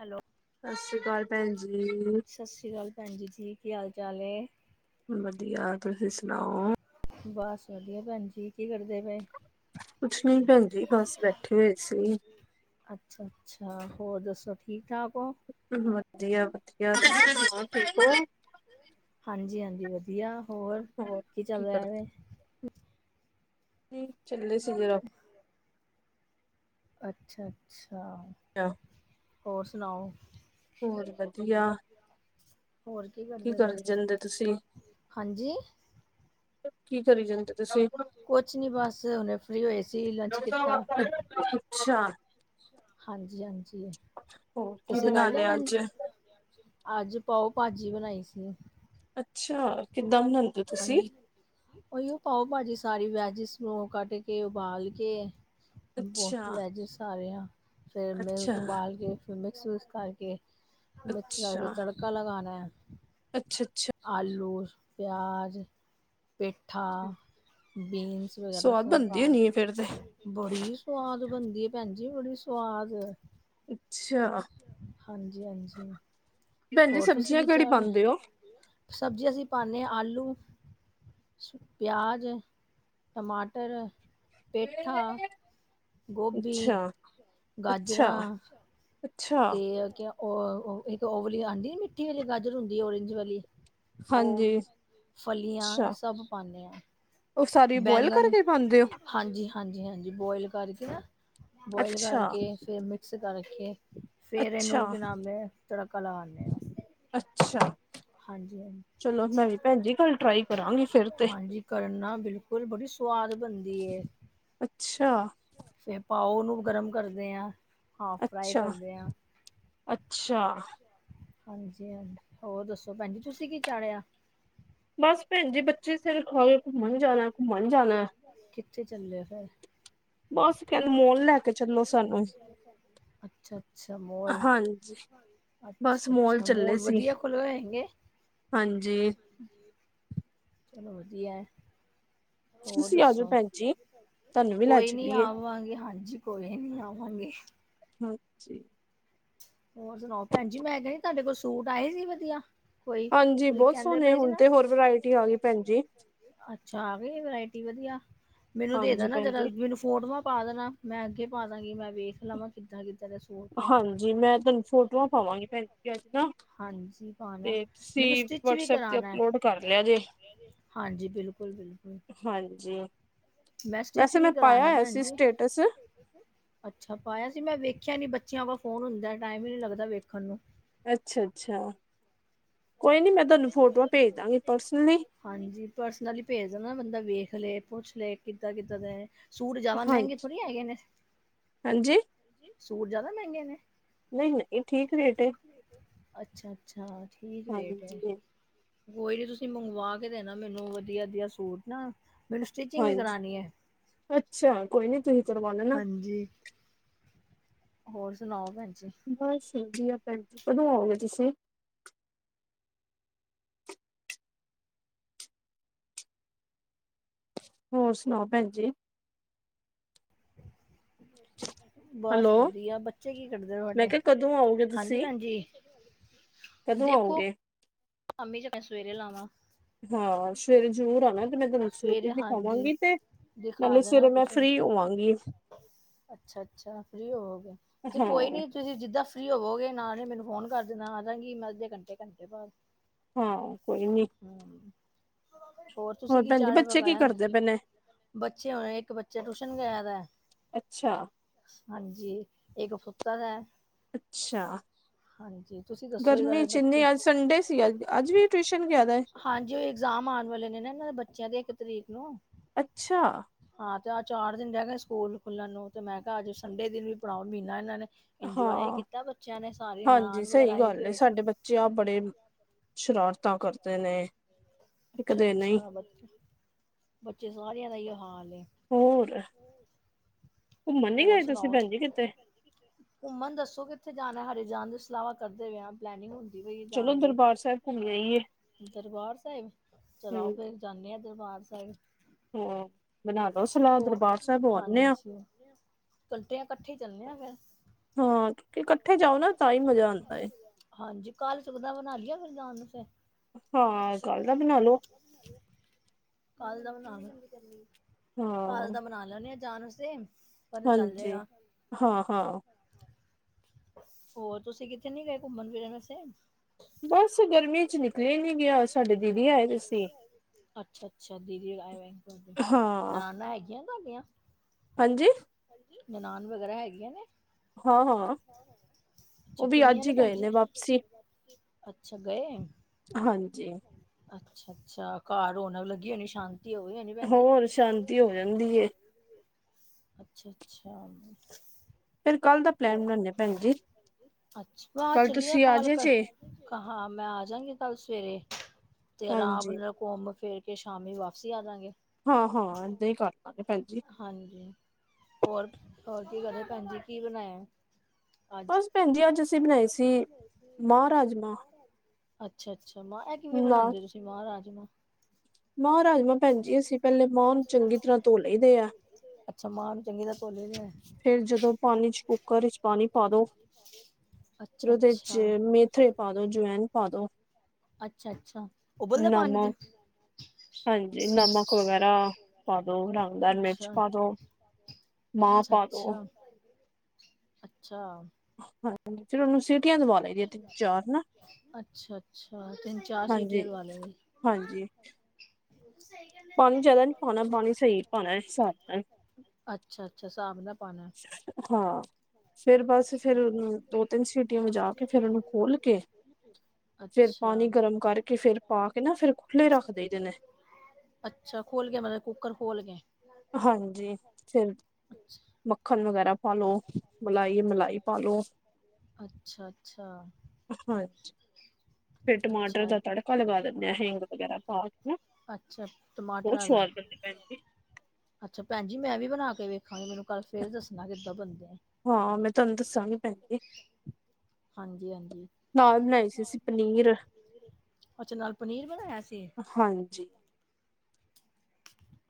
Hello ਸਤਿ ਸ੍ਰੀ ਕਾਲ ਭੈਂਜੀ ਸਤਿ ਸ਼੍ਰੀ ਕਾਲ ਭੈਂਜੀ ਜੀ, ਕੀ ਹਾਲ ਚਾਲ ਏ? ਵਦੀਆ, ਤੁਸੀਂ ਸੁਨਾਓ? ਬਸ ਵਦੀਆ ਭੈਂਜੀ, ਕੀ ਕਰਦੇ ਪਏ? ਕੁਛ ਨੀਂ ਭੈਂਜੀ ਬਸ ਬੈਠੇ ਹੋਏ ਸੀ। ਅੱਛਾ -ਅੱਛਾ, ਹੋਰ ਦੱਸੋ ਠੀਕ- ਠਾਕ ਓ? ਵਦੀਆ- ਵਦੀਆ, ਤੁਸੀ ਦੱਸੋ ਠੀਕ ਓ? ਹਾਂਜੀ- ਹਾਂਜੀ ਵਧੀਆ, ਹੋਰ ਕੀ ਚੱਲ ਰੇਆ ਵੇ? ਨੀਂ, ਚੱਲੇ ਸੀ ਜਰਾ ਅੱਛਾ- ਅੱਛਾ। [unintelligible] ਹੋਰ ਸੁਣਾਓ? ਹੋਰ ਵਧੀਆ। ਹੋਰ ਕੀ ਕਰਦੇ ਕਰ ਪਏ? ਜਾਂਦੇ ਤੁਸੀਂ ਹਾਂਜੀ? ਕੀ ਕਰੀ ਜਾਂਦੇ ਤੁਸੀਂ ਕੁਛ ਨਹੀਂ ਬਸ ਉਹਨੇ ਫ੍ਰੀ ਹੋਏ ਸੀ ਲੰਚ ਕੀਤਾ। ਅੱਛਾ ਹਾਂਜੀ- ਹਾਂਜੀ, ਹੋਰ ਕੀ ਤੁਸੀਂ ਕਰ ਬਣਾ ਲਿਆ ਅੱਜ ਲੰਚ? ਅੱਜ ਪਾਓ ਭਾਜੀ ਬਣਾਈ ਸੀ। ਅੱਛਾ ਕਿਦਾ ਬਣਾਈ? ਹਾਂਜੀ ਉਹੀਓ ਪਾਓ ਭਾਜੀ ਸਾਰੀ ਵੈਜਿਸ ਨੂੰ ਕੱਟ ਕੇ ਉਬਾਲ ਕੇ- ਅੱਛਾ ਬੋਲ ਵੈਜ ਸਾਰਿਆਂ, ਫੇਰ ਮੈਂ ਅੱਛਾ ਉਬਾਲ ਕੇ- ਫੇਰ ਮਿਕਸ- ਵਿਕਸ ਕਰਕੇ ਮਿਕਸ ਅੱਛਾ ਕਰਕੇ ਤੜਕਾ ਲਗਾਨਾ ਏ। ਅੱਛਾ- ਅੱਛਾ। ਆਲੂ, ਪਿਆਜ਼, ਪਿੱਠਾ, ਬਿਨਸ ਵਗੈਰਾ ਸਵਾਦ ਸਭ ਬਣਦੀ ਪਾ ਹੋਣੀ ਹੈ ਫੇਰ ਤੇ ਕੇ। ਬੜੀ ਸਵਾਦ ਬਣਦੀ ਹੈ ਭੈਣ ਜੀ ਬੜੀ ਸਵਾਦ। ਅੱਛਾ। ਹਾਂਜੀ- ਹਾਂਜੀ। ਭੈਣ ਜੀ ਹੋਰ ਤੁਸੀਂ ਸਬਜ਼ੀਆਂ ਕੀ ਕਿਹੜੀ ਚਾੜੇ, ਪਾਉਂਦੇ ਹੋ? ਸਬਜ਼ੀ ਅਸੀਂ ਪਾਂਨੇ ਆ ਆਲੂ, ਪਿਆਜ਼, ਟਮਾਟਰ, ਪੇਠਾ, ਗੋਭੀ, ਅੱਛਾ, ਅੱਛਾ, ਗਾਜਰਾਂ, ਅੱਛਾ ਤੇ ਏ ਕੇਆ ਉਹ ਇੱਕ ਉਹਓ ਵਾਲੀ ਆਉਂਦੀ ਮਿੱਠੀ ਵਾਲੀ ਗਾਜਰ ਹੁੰਦੀ ਓਰੇਂਜ ਵਾਲੀ। ਹਾਂਜੀ ਉਹ ਫਲੀਆਂ ਇਹ ਅੱਛਾ ਸਭ ਪਾਂਨੇ ਆ। ਉਹ ਸਾਰੀ ਬੁਆਇਲ ਕਰਕੇ ਪਾਉਂਦੇ ਹੋ? ਹਾਂਜੀ- ਹਾਂਜੀ, ਹਾਂਜੀ ਬੋਇਲ ਕਰਕੇ ਨਾ ਬੋਇਲ ਅੱਛਾ, ਕਰਕੇ ਫੇਰ ਮਿਕਸ ਕਰਕੇ। ਫੇਰ ਅੱਛਾ, ਇਹਨੂੰ ਬਨਾਨੇ ਆ ਤੜਕਾ ਲਗਾਦੇ ਆ, ਹਾਂਜੀ- ਅੱਛਾ ਹਾਂਜੀ। ਚਲੋ ਮੈਂ ਵੀ ਭੈਣ ਜੀ ਕੱਲ ਟਰਾਈ ਕਰਾਂਗੀ ਫਿਰ ਤੇ ਹਾਂਜੀ ਕਰਨਾ ਬਿਲਕੁਲ ਬੜੀ ਸਵਾਦ ਬਣਦੀ ਐ। ਅੱਛਾ। ਤੇ ਪਾਓ ਨੂੰ ਗਰਮ ਕਰਦੇ ਆ। ਅੱਛਾ, ਅੱਛਾ। ਹਾਂਜੀ- ਹਾਂਜੀ, ਹੋਰ ਦੱਸੋ ਭੈਣਜੀ ਤੁਸੀਂ ਕੀ ਚਾੜਿਆ? ਬਸ ਭੈਣ ਜੀ ਬੱਚੇ ਸਿਰ ਖੋਏ ਘੁੰਮਣ ਜਾਣਾ- ਘੁੰਮਣ ਜਾਣਾ। ਕਿੱਥੇ ਚੱਲੇ ਫਿਰ? ਬਸ ਕਹਿੰਦੇ ਮੋਲ ਲੈ ਕੇ ਚੱਲੋ ਸਾਨੂੰ ਅੱਛਾ- ਅੱਛਾ ਮੋਲ। ਹਾਂਜੀ ਬਸ ਅੱਛਾ- ਅੱਛਾ ਚੱਲੇ ਮੋਲ ਸੀ ਵਧੀਆ ਖੁੱਲੇ ਹੋਏ ਹੈਗੇ। ਹਾਂਜੀ। ਚਲੋ ਵਧੀਆ ਹੈ। ਹੋਰ ਤੁਸੀਂ ਆ ਜਾਓ ਦੱਸੋ? ਭੈਣ ਜੀ ਤੁਹਾਨੂੰ ਵੀ ਲੈ ਕੋਈ ਨੀ ਚਲੀਏ ਆਵਾਂਗੇ ਹਾਂਜੀ। ਕੋਈ ਨੀ ਆਵਾਂਗੇ। ਹਾਂਜੀ। ਹੋਰ ਸੁਣਾਓ ਭੈਣ ਜੀ ਮੈਂ ਕਿਹਾ ਤੁਹਾਡੇ ਕੋਲ ਸੂਟ ਆਏ ਸੀ ਵਧੀਆ? ਕੋਈ ਹਾਂਜੀ ਤੁਸੀਂ ਬੋਤ ਕਹਿੰਦੇ ਸੋਹਣੇ ਪਏ ਸੀ ਹੁਣ ਨਾ ਤੇ ਹੋਰ ਵਰਾਇਟੀ ਆ ਗਈ ਭੈਣਜੀ। ਅੱਛਾ ਆ ਗਈ ਏ ਵਰਾਇਟੀ ਵਧੀਆ, ਮੈਨੂੰ ਦੇ ਹਾਂਜੀ ਦੇਨਾ ਭੈਣ ਜਦੋ ਜੀ ਮੈਨੂੰ ਸੂਟ ਵਧ- ਪਾ ਦੇਣਾ ਮੈਂ ਅੱਗੇ ਪਾ ਦਾਂਗੀ ਮੈਂ ਵੇਖ ਲਵਾਂ ਕਿੱਦਾਂ- ਕਿੱਦਾਂ ਦੇ ਸੂਟ ਨੇ। ਜੀ ਮੈਂ ਤੁਹਾਨੂੰ ਫੋਟੋਆਂ ਪਾਵਾਂਗੀ ਪੈਨ ਜੀ ਅੱਜ ਤੋ। ਹਾਂਜੀ ਪਾਣਾ ਤੇ ਮੈਨੂੰ ਤੁਸੀਂ ਸਟਿਚ ਵੀ ਵਟਸਐਪ ਤੇ ਕਰਾਣਾ ਹੈ। ਅਪਲੋਡ ਕਰ ਲਿਆ ਜੇ। ਹਾਂਜੀ ਬਿਲਕੁਲ- ਬਿਲਕੁਲ। ਹਾਂਜੀ, ਸਟਿਚ ਵੈਸੇ ਵੀ ਮੈਂ ਪਾਇਆ ਕਰਾਣਾ ਹੋਇਆ ਭੈਣ ਸੀ ਜੀ ਸਟੇਟਸ। ਅੱਛਾ ਪਾਇਆ ਸੀ ਮੈਂ ਵੇਖਿਆ ਨੀ ਬੱਚਿਆਂ ਕੋਲ ਫੋਨ ਹੁੰਦੈਂ ਟਾਈਮ ਈ ਨੀ ਲੱਗਦਾ ਵੇਖਣ ਨੂੰ। ਅੱਛਾ-ਅੱਛਾ, ਕੋਈ ਨੀ ਮੈਂ ਤੁਹਾਨੂੰ ਫੋਟੋਆਂ ਭੇਜਦਾਂਗੀ ਪਰਸਨਲੀ। ਹਾਂਜੀ ਪਰਸਨਲੀ ਭੇਜ ਦੇਣਾ ਬੰਦਾ ਵੇਖ ਲੈ, ਪੁੱਛ ਲੈ ਕਿੱਦਾਂ-ਕਿੱਦਾਂ ਦੇ। ਸੂਟ ਜਿਆਦਾ ਮੈਂਗੇ ਹਾਂਜੀ ਥੋੜੀ ਹੈਗੇ ਨੇ। ਹਾਂਜੀ। ਸੂਟ ਜਿਆਦਾ ਮੈਂਗੇ ਨੇ। ਨਈ-ਨਈ ਠੀਕ ਰੇਟ ਏ। ਅੱਛਾ-ਅੱਛਾ ਠੀਕ ਰੇਟ ਏ। ਹਾਂਜੀ ਕੋਈ ਨੀ ਤੁਸੀਂ ਮੰਗਵਾ ਕੇ ਦੇਣਾ ਮੈਨੂੰ ਵਧੀਆ-ਵਧੀਆ ਸੂਟ ਨਾ। ਮੈਂਨੂੰ ਸਟਿਚਿੰਗ ਵੀ ਹਾਂਜੀ ਕਰਾਣੀ ਐ, ਅੱਛਾ ਕੋਈ ਨੀ ਤੁਸੀਂ ਕਰਵਾ ਲੈਣਾ ਹਾਂਜੀ। ਹੋਰ ਸੁਣਾਓ ਭੈਣ ਜੀ। ਬਸ ਵਧੀਆ ਭੈਣ ਜੀ ਕਦੋਂ ਆਓਗੇ ਤੁਸੀਂ? ਹੋਰ ਸੁਣਾਓ ਭੈਣ ਜੀ। ਬਸ ਹੈਲੋ ਵਧੀਆ ਬੱਚੇ ਕੀ ਕਰਦੇ ਮੈਂ ਤੁਹਾਡੇ? ਕਿਹਾ ਕਦੋਂ ਆਓਗੇ ਹਾਂਜੀ ਤੁਸੀਂ ਭੈਣ ਜੀ। ਕਦੋਂ ਆਉਗੇ? ਅਮੇਜਾ ਕੈ ਸਵੇਰੇ ਲਾਵਾਂ। ਹਾਂ ਸਵੇਰੇ ਜ਼ਰੂਰ ਆਉਣਾ 'ਤੇ ਮੈਂ ਤੁਹਾਨੂੰ ਸੂਟ ਵੀ ਸਵੇਰੇ ਹਾਂਜੀ ਦਿਖਾਵਾਂਗੀ 'ਤੇ ਦਿਖਾ ਨਾਲੇ ਦੇਣਾ ਸਵੇਰੇ ਮੈਂ ਫਰੀ ਹੋਵਾਂਗੀ। ਅੱਛਾ-ਅੱਛਾ ਫਰੀ ਹੋਵੋਗੇ 'ਤੇ ਕੋਈ ਹਾਂ ਨੀ ਤੁਸੀਂ ਜਿੱਦਾਂ ਫਰੀ ਹੋਵੋਗੇ ਨਾਲੇ ਮੈਨੂੰ ਫੋਨ ਕਰ ਦੇਣਾ ਆ ਜਾਂਗੀ ਮੈਂ ਅੱਧੇ ਘੰਟੇ, ਘੰਟੇ ਬਾਅਦ। ਹਾਂ ਕੋਈ ਨੀ। ਹੂੰ, ਹੋਰ ਤੁਸੀਂ ਕੀ ਭੈਣ ਜੀ ਚਾੜੇ ਬੱਚੇ ਕੀ ਪਕਾਇਆ? ਕਰਦੇ ਪਏ ਨੇ ਬੱਚੇ ਹੋਣੇ ਇੱਕ ਬੱਚੇ ਟਿਊਸ਼ਨ ਗਿਆ ਦਾ ਐ ਅੱਛਾ। ਹਾਂਜੀ ਇਕ ਸੁੱਤਾ ਦਾ ਐ। ਅੱਛਾ, ਤੁਸੀਂ ਦੱਸੋ ਇਹ ਗਰਮੀ ਗੱਲ 'ਚ ਬੱਚੇ ਇੰਨੀ ਅੱਜ ਸੰਡੇ ਸੀ ਅੱਜ, ਅੱਜ ਵੀ ਟਿਊਸ਼ਨ ਗਿਆ ਦਾ ਐ। ਹਾਂਜੀ ਓ ਇਗਜ਼ਾਮ ਆਨ ਵਾਲੇ ਨੇ ਨਾ ਏਨਾਂ ਦੇ ਬੱਚਿਆਂ ਦੇ ਇੱਕ ਤਰੀਕ ਨੂੰ। ਅੱਛਾ। ਹਾਂ 'ਤੇ ਆ ਚਾਰ ਦਿਨ ਰੈ ਗਏ ਸਕੂਲ ਖੁੱਲਨ ਨੂੰ 'ਤੇ ਮੈਂ ਕਾਅ ਅੱਜ ਸੰਡੇ ਦਿਨ ਵੀ ਪੜਾਓ ਮ੍ਹੀਨਾ ਏਨਾਂ ਨੇ ਇੰਜੋਏ ਹਾਂ ਕੀਤਾ ਬੱਚਿਆਂ ਨੇ ਸਾਰੇ ਨਨਾਣ ਵਗੈਰਾ ਆਏ ਦੇ ਹੋਏ ਸੀ। ਚਾ ਬੜੇ, ਸ਼ਰਾਰਤਾਂ ਕਰਦੇ ਨੇ। ਤੇ ਅੱਛਾ- ਕਦੇ ਨਹੀਂ ਅੱਛਾ ਬੱਚ, ਬੱਚੇ ਸਾਰਿਆਂ ਦਾ ਏਹੀ ਹਾਲ ਏ। ਹੋਰ। ਘੁੰਮਣ ਨੀ ਹੋਰ ਗਏ ਤੁਸੀਂ ਸੁਨਾਓ, ਭੈਣ ਜੀ ਕਿਤੇ ਘੁੰਮਨ ਦੱਸੋ ਕਿੱਥੇ ਜਾਨਾ ਹਰੇ ਜਾਨ ਦੀ ਸਲਾਵਾ ਕਰਦੇ ਪੈ ਆ? ਪਲੈਨਿੰਗ ਹੁੰਦੀ ਪਈ ਏ ਚਲੋ ਜਾਨ ਦੀ, ਦਰਬਾਰ ਸਾਹਿਬ ਘੁੰਮ ਆਈਏ ਦਰਬਾਰ ਸੇਅਬ ਚਲ ਹੂੰ ਆਉ ਫੇਰ। ਜਾਂਨੇ ਆ ਦਰਬਾਰ ਸਾਹਿਬ। ਹਾਂ ਬਣਾ ਲੋ ਸਲਾਅ ਹੋ ਦਰਬਾਰ ਸਾਅਬ ਹੋ ਆਂਨੇ ਆ। ਘੰਟੇ ਆ ਕੱਠੇ ਈ ਚੱਲਨੇ ਆ ਫੇਰ। ਹਾਂ ਕਿਉਂਕਿ ਕੱਠੇ ਜਾਓ ਨਾ ਤਾਂ ਈ ਮਜ਼ਾ ਆਂਦਾ ਏ। ਹਾਂਜੀ ਕੱਲ ਸੁਵਧਾ ਬਨਾ ਲਈ ਆ ਫੇਰ ਜਾਣ‌ ਦਾ ਫੇਰ। ਹਾਂ ਕੱਲ ਦਾ ਬਨਾ ਲੋ। ਕੱਲ ਦਾ ਬਨਾ ਲੋ, ਕੱਲ ਹਾਂ। ਦਾ ਬਣਾ ਲੈ ਨੇ ਆ ਜਾਣ ਵਸਤੇ। ਹਾਂਜੀ, ਹਾਂ-ਹਾਂ। ਹੋਰ ਤੁਸੀਂ ਕਿੱਥੇ ਨੀ ਗਏ ਘੁੰਮਨ-ਫਿਰਨ ਆਸਤੇ। ਬਸ ਗਰਮੀ ਚ ਨਿਕਲੇਆ ਈ ਨੀ ਗਿਆ, ਸਾਡੇ ਦੀਦੀ ਆਏ ਦੇ ਸੀ। ਅੱਛਾ-ਅੱਛਾ ਦੀਦੀ ਆਏ ਹੋਏ ਸੀ ਤੁਆਡੇ, ਹਾਂ ਨਨਾਨਾ ਹੈਗੀਆਂ ਤੁਆਡੀਆਂ? ਹਾਂਜੀ ਨਨਾਨ ਵਗੈਰਾ ਹੈਗੀਆਂ ਨੇ? ਹਾਂ ਹਾਂ ਅੱਛਾ, ਉਹ ਵੀ ਕਿੰਨੀਆਂ ਅੱਜ ਨੇ ਹੀ ਭੈਨ ਗਏ ਜੀ? ਵਾਪਸੀ ਅੱਛਾ, ਗਏ। ਹਾਂਜੀ। ਅੱਛਾ-ਅੱਛਾ, ਘਰ ਰੋਨੱਕ ਲੱਗੀ ਹੋਨੀ, ਸ਼ਾਂਤੀ ਹੋਈ ਹੋਨੀ, ਭੈਨ ਜੀ? ਹੋਰ ਸ਼ਾਂਤੀ ਹੋ ਜਾਂਦੀ ਏ। ਅੱਛਾ-ਅੱਛਾ। ਫੇਰ ਕੱਲ ਦਾ ਪਲੈਨ ਬਨਾਦੇ ਭੈਨ ਜੀ, ਅੱਛਾ ਵਾਹ ਕੱਲ ਚਲੀਏ ਤੁਸੀਂ ਆਜੇਆ ਪਾਲਕਰ ਜੇ। ਹਾਂ, ਮੈਂ ਆਜਗੀ ਕੱਲ ਸਵੇਰੇ, ਤੇ ਆਰਾਮ ਹਾਂਜੀ ਘੁੰਮ-ਫੇਰ ਕੇ ਸ਼ਾਮੀ ਵਾਪਸੀ ਆ ਜਾਂਗੇ। ਹਾਂ-ਹਾਂ ਏਦਾਂ ਈ ਕਰ ਲਾਂਗੇ, ਭੈਨਜੀ। ਹਾਂਜੀ, ਹੋਰ ਹੋਰ ਕੀ ਘਰੇ ਭੈਨ ਜੀ ਕੀ ਬਨਾਯਾ? ਬਸ ਭੈਨ ਜੀ, ਅੱਜ ਅਸੀ ਬਨਾਏ ਸੀ ਮਾਹ ਰਾਜਮਾਂ। ਅੱਛਾ-ਅੱਛਾ, ਮਾਂ ਐ ਕਿਵੇਂ ਨਾਲ ਬਨਾਦੇ ਤੁਸੀਂ ਮਾਹ ਰਾਜਮਾਂ? ਮਾਂ ਰਾਜਮਾਂ ਭੈਨ ਜੀ ਅਸੀਂ ਪੈਲੇ ਮਾਂਹ ਨੂੰ ਚੰਗੀ ਤਰ੍ਹਾਂ ਧੋ ਲਈ ਦੇਐ। ਅੱਛਾ, ਮਾਹ ਨੂੰ ਚੰਗੀ ਤਰਾ ਧੋਦੈ ਲਈ ਦੇਐ। ਫੇਰ ਜਦੋਂ ਪਾਨੀ ਚ ਕੁੱਕਰ ਇੱਚ ਪਾਨੀ ਪਾ ਦੋ। ਫੇਰ ਅੱਛਾ ਓਦੇ ਚ ਅੱਛਾ ਮੇਥਰੇ ਪਾ ਦੋ, ਜਵੈਨ ਪਾ ਦੋ। ਅੱਛਾ-ਅੱਛਾ, ਉਬਲਦੇ ਪਾਨੀ ਚ? ਨਮਕ ਹਾਂਜੀ ਨਮਕ ਵਗੈਰਾ ਪਾਦੋ, ਰੰਗਦਾਰ ਮਿਰਚ ਅੱਛਾ ਪਾਦੋ। ਮਾਹ ਅੱਛਾ ਪਾਦੋ। ਅੱਛਾ। ਅੱਛਾ। ਫੇਰ ਉਨੂੰ ਅੱਛਾ-ਅੱਛਾ, ਤਿੰਨ-ਚਾਰ ਸੀਟੀਆਂ ਹਾਂਜੀ ਦਵਾ ਲੀਆ ਜੇ। ਹਾਂਜੀ, ਪਾਨੀ ਜਾਦਾ ਨੀਂ ਪਾਨਾ ਪਾਨੀ ਸਈ ਪਾਨਾ ਹਿਸਾਬ ਨਾਲ। ਅੱਛਾ-ਅੱਛਾ, ਸਾਬ ਦਾ ਪਾਨੈ। ਹਾਂ। ਫੇਰ ਬਸ ਫੇਰ ਦੋ-ਤੇਂਨ ਸੀਟੀਆਂ ਵਜਾ ਕੇ, ਫੇਰ ਓਨੂੰ ਖੋਲ ਕੇ ਫੇਰ ਪਾਣੀ ਅੱਛਾ ਗਰਮ ਕਰਕੇ ਫੇਰ ਪਾਕੇ ਨਾ ਫੇਰ ਖੁੱਲੇ ਰੱਖ ਦਈ ਦੇ ਨੇ। ਅੱਛਾ, ਖੋਲ ਕੇ ਮਤਲਬ ਕੁੱਕਰ ਖੋਲ ਕੇ। ਹਾਂਜੀ, ਫੇਰ ਅੱਛਾ ਮੱਖਣ ਵਗੈਰਾ ਪਾਲੋ, ਮਲਾਈ ਏ ਮਲਾਈ ਪਾ ਲੋ। ਅੱਛਾ-ਅੱਛਾ। ਫੇਰ ਟਮਾਟਰ ਦਾ ਤੜਕਾ ਲਗਾ ਦਿੰਨੇ ਆਂ, ਹਿੰਗ ਵਗੈਰਾ ਪਾਕੇ ਨਾ। ਅੱਛਾ ਬੜੇ ਟਮਾਟਰਾਂ ਦਾ ਛੁਆਦ ਬਣਦੇ, ਭੈਣ ਜੀ। ਅੱਛਾ ਭੈਣ ਜੀ, ਮੈਂ ਵੀ ਬਣਾ ਕੇ ਵੇਖਾਂਗੀ, ਮੈਨੂੰ ਕੱਲ ਫੇਰ ਦੱਸਣਾ ਕਿੱਦਾਂ ਬਣਦੇ। ਹਾਂ, ਮੈਂ ਤੁਆਨੂੰ ਦੱਸਾਂਗੀ ਭੈਣ ਜੀ ਹਾਂਜੀ-ਹਾਂਜੀ। ਨਾਲ ਬਣਾਈ ਸੀ ਅਸੀਂ ਪਨੀਰ ਅੱਛਾ, ਨਾਲ ਪਨੀਰ ਬਣਾਯਾ ਸੀ। ਹਾਂਜੀ।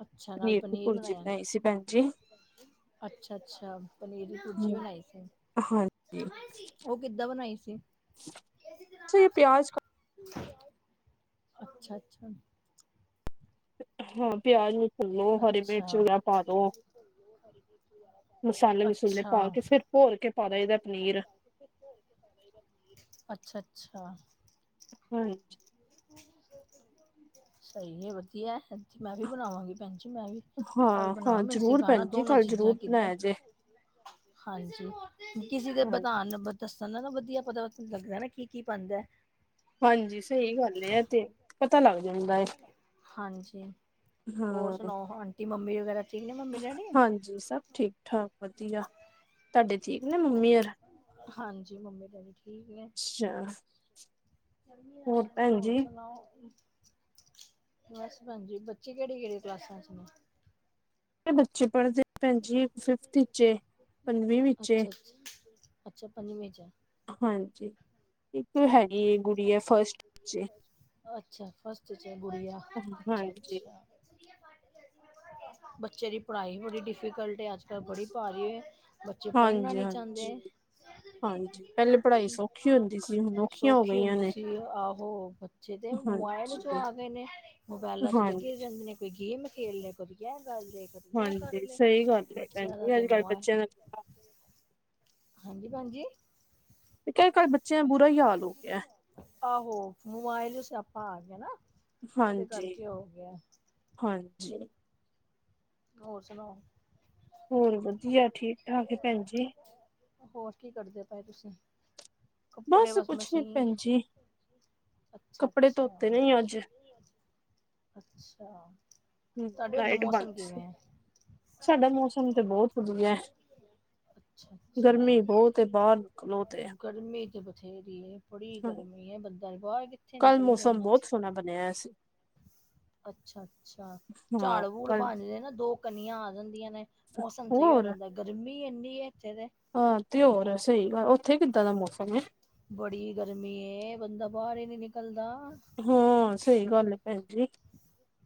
ਅੱਛਾ, ਨਾਲ ਦੀ ਪਨੀਰ ਭੁਰਜੀ ਬਣਾਈਆ। ਬਣਾਈ ਸੀ ਭੈਣ ਜੀ ਅੱਛਾ, ਅੱਛਾ ਪਨੀਰ ਦੀ ਪੁਰਜੀ ਬਣਾਈ ਸੀ। ਹਾਂਜੀ ਉਹ ਕਿੱਦਾਂ ਬਣਾਈ ਸੀ? ਅਛਾ ਇਹ ਪਿਆਜ ਕ ਅੱਛਾ, ਅੱਛਾ। ਹਾਂ ਪਿਆਜ ਨੂੰ ਭੁੰਨੋ, ਹਰੀ ਮਿਰਚ ਅੱਛਾ ਵਗੈਰਾ ਪਾ ਦੋ। ਮਸਾਲੇ ਮਸੂਲੇ ਪਾ ਅੱਛਾ ਕੇ, ਫਿਰ ਭੋਰ ਕੇ ਪਾਨਾ ਇਦਾ ਪਨੀਰ। ਅੱਛਾ, ਅੱਛਾ। ਹਾਂਜੀ। ਸਹੀ ਏ ਵਧੀਆ, ਮੈਂ ਵੀ ਬਣਾਵਾਂਗੀ ਭੈਣ ਜੀ ਮੈਂ ਵੀ। ਕੱਲ ਹਾਂ ਹਾਂ ਬਣਾਵਾ ਮੈਨੂੰ ਜ਼ਰੂਰ ਸਿਖਾਣਾ ਭੈਣ ਜੀ ਦੋਨੋ ਕੱਲ ਚੀਜ਼ਾਂ ਜ਼ਰੂਰ ਕਿੱਦਾਂ- ਬਣਾਇਆ ਜੇ ਹਾਂਜੀ ਕਿਸੇ ਦੇ ਹਾਂ ਬਤਾਣ ਨ ਦੱਸਣ ਨਾਲ ਵਧੀਆ ਪਤਾ ਲੱਗਦਾ ਨਾ ਕੀ-ਕੀ ਪਾਂਦਾ। ਹਾਂਜੀ ਸਹੀ ਗੱਲ ਏ ਇਹ ਤੇ ਪਤਾ ਲੱਗ ਜਾਂਦਾ ਹਾਂਜੀ ਹੋਰ ਹਾਂ। ਸੁਣਾਓ, ਆਂਟੀ, ਮੰਮੀ ਵਗੈਰਾ ਠੀਕ ਨੇ ਮੰਮੀ ਡੈਡੀ ਹਾਂਜੀ, ਸਭ ਠੀਕ ਠਾਕ ਵਧੀਆ, ਤੁਹਾਡੇ ਠੀਕ ਨੇ ਮੰਮੀ ਹੌਰ ਹਾਂਜੀ ਮੰਮੀ- ਡੈਡੀ ਠੀਕ ਨੇ। ਅੱਛਾ। ਵਧੀਆ ਵਾ, ਭੈਣ ਹੋਰ ਜੀ ਸੁਣਾਓ ਬਸ ਭੈਣ ਜੀ, ਬੱਚੇ ਕਿਹੜੀ -ਕਿਹੜੀ ਕਲਾਸਾਂ ਚ ਨੇ? ਬੱਚੇ ਪੜ੍ਹਦੇ ਭੈਣ ਜੀ ਇਕ ਫਿਫਥ ਵਿੱਚ ਏ, ਪੰਜਵੀਂ ਵਿੱਚ ਏ। ਅੱਛਾ ਅੱਛਾ ਪੰਜਵੀਂ ਚ ਆ। ਹਾਂਜੀ। ਇੱਕ ਹੈਗੀ ਐ ਗੁਡੀਆ ਫਸਟ ਵਿਚ ਏ, ਅੱਛਾ ਫਸਟ 'ਚ ਗੁੜੀਆ ਹਾਂਜੀ ਜੀ। ਅੱਛਾ-ਅੱਛਾ। ਬੱਚੇ ਦੀ ਪੜ੍ਹਾਈ ਬੜੀ ਡਿਫੀਕਲਟ ਹੈ, ਅੱਜ ਕੱਲ ਬੜੀ ਭਾਰੀ ਬੱਚੇ ਪੜ੍ਹਨਾ ਨੀ ਚਾਂਦੇ। ਹਾਂਜੀ-ਹਾਂਜੀ, ਹਾਂਜੀ, ਪੈਲੇ ਪੜ੍ਹਾਈ ਸੋ ਖੀ ਹੁੰਦੀ ਸੀ ਹੁਣ, ਸੌਖੀ ਹੁੰਦੀ ਸੀ ਆਹੋ, ਬੱਚੇ ਤੇ ਮੋਬਾਇਲ ਚੋਂ ਹਾਂਜੀ, ਆ ਗਏ ਨੇ। ਮੋਬਾਇਲਾਂ ਚ ਲੱਗੇ ਹਾਂਜੀ, ਜਾਂਦੇ ਨੇ, ਕੋਈ ਗੇਮ ਖੇਲ ਲਿਆ, ਕਭੀ ਏ ਕਰ ਲਿਆ ਕਭੀ ਓ ਕਰ ਹਾਂਜੀ ਲਿਆ, ਸਹੀ ਗੱਲ ਏ ਭੈਣ ਬੱਚਿਆਂ ਦਾ ਜੀ ਤੇ ਅੱਜ ਕੱਲ੍ਹ ਮੋ ਬੱਚਿਆਂ ਦਾ ਹਾਂਜੀ, ਭੈਣ ਜੀ! ਕ ਕੱਲ੍ਹ ਬੱਚਿਆਂ ਦਾ ਬੁਰਾ ਈ ਹਾਲ ਹੋ ਗਿਆ। ਆਹੋ ਮੋਬਾਇਲ ਜੋ ਸਿਆਪਾਂ ਆ ਗਿਆ ਨਾ। ਉਹਦੇ ਹਾਂਜੀ, ਕਰਕੇ ਹੋ ਗਿਆ ਹਾਂਜੀ। ਹੋਰ ਸੁਣਾਓ। ਹੋਰ ਵਧੀਆ ਠੀਕ ਠਾਕ ਏ ਭੈਣ ਜੀ। ਹੋਰ ਕੀ ਕਰਦੇ ਪਏ ਤੁਸੀਂ। ਕੱਪੜੇ ਬਸ ਕੁਛ ਨੀ ਮਸ਼ੀਨ ਭੈਣ ਜੀ ਕੱਪੜੇ ਧੋਤੇ ਨੇ ਅੱਜ ਅੱਛਾ-ਅੱਛਾ-ਅੱਛਾ। ਹੂੰ ਲਾਈਟ ਬੰਦ ਸੀ ਸਾਡਾ ਮੌਸਮ ਤੇ ਬਹੁਤ ਵਧੀਆ। ਅੱਛਾ ਗਰਮੀ ਅੱਛਾ ਬੌਤ ਏ ਬਾਰ ਨਿਕਲੋ ਤੇ। ਗਰਮੀ ਤਾਂ ਬਥੇਰੀ ਏ। ਬੜੀ ਹਾਂ ਗਰਮੀ ਹੈ, ਬੰਦਾ ਬਾਰ ਕਿੱਥੇ ਕੱਲ ਨਿਕਲੇ ਮੌਸਮ ਗਰਮੀਆਂ ਬਹੁਤ ਚ। ਸੋਹਣਾ ਬਣਿਆ ਸੀ ਅੱਛਾ-ਅੱਛਾ ਹਾਂ ਝਾੜ ਬੂੜ ਕੱਲ ਬ ਨਾ ਦੋ ਕਨੀਆਂ ਆ ਜਾਂਦੀਆਂ ਨੇ ਮੌਸਮ ਸ ਸਈ ਹੋ ਹੋਰ ਜਾਂਦਾ ਗਰਮੀ ਇੰਨੀ ਇੱਥੇ ਤੇ ਹਾਂ ਤੇ ਹੋਰ ਸਈ ਗ ਉੱਥੇ ਕਿੱਦਾਂ ਦਾ ਮੌਸਮ ਏ। ਬੜੀ ਗਰਮੀ ਏ ਬੰਦਾ ਬਾਰ ਹੀ ਨੀ ਨਿਕਲਦਾ। ਹਾਂ ਸਈ ਗੱਲ ਐ ਭੈਣ ਜੀ।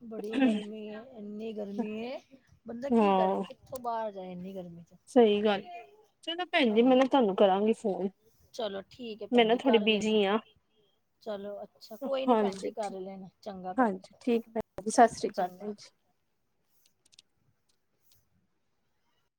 ਬੜੀ ਗਰਮੀ ਏ ਇੰਨੀ ਗਰਮੀ ਏ ਬੰਦਾ ਕੀ ਕਰੇ ਕਿ ਓ ਬਾਰ ਜਾਏ ਇੰਨੀ ਗਰਮੀ 'ਚ ਸਈ ਗੱਲ ਚਲੋ ਭੈਣ ਜੀ ਮੈਂ ਹਾਂਜੀ ਨਾ ਤੁਹਾਨੂੰ ਕਰਾਂਗੀ ਫੋਨ ਚਲੋ ਠੀਕ ਹੈ ਮੈਂ ਭੈਣ ਨਾ ਜੀ ਥੋੜੀ ਕਰ ਲੈਣਾ। ਬਿਜੀ ਹਾਂ ਚਲੋ ਅੱਛਾ ਕੋਈ ਨੀ ਭੈਣ ਜੀ ਹਾਂਜੀ ਠੀਕ ਕਰ ਲੈਣਾ ਚੰਗਾ ਭੈਣ ਹਾਂਜੀ ਜੀ। ਠੀਕ ਭੈਣ ਸਤਿ ਸ਼੍ਰੀ ਅਕਾਲ ਭੈਣ ਚੰਗਾ ਜੀ।